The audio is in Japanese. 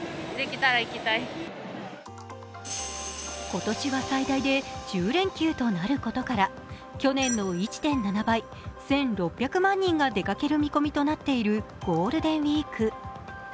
今年は最大で１０連休となることから去年の１．７倍、１６００万人が出かける見込みになっているゴールデンウイーク。